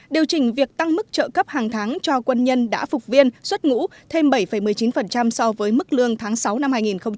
điều chỉnh việc tăng mức trợ cấp hàng tháng cho quân nhân đã phục viên xuất ngũ thêm bảy một mươi chín so với mức lương tháng sáu năm hai nghìn một mươi chín